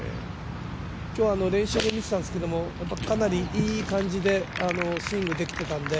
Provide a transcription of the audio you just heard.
今日の練習見てたんですけどかなりいい感じでスイングできてたんで。